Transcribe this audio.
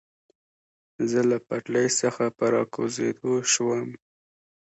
زه له پټلۍ څخه په را کوزېدو شوم.